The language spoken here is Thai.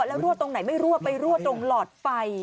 แล้วรั่วตรงไหนไม่รั่วไปรั่วตรงหลอดไฟ